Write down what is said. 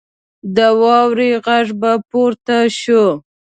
د واورې غږ به پورته شو.